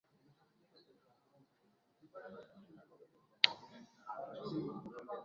Japo umri huo unaweza kuogezeka kidogo kama atakuwa chini ya uangalizi au kama anafugwa